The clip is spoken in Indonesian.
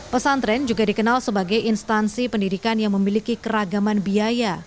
pesantren juga dikenal sebagai instansi pendidikan yang memiliki keragaman biaya